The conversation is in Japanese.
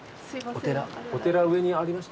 お寺上にありました？